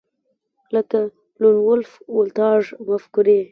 لکه لون وولف ولټاژ مفکورې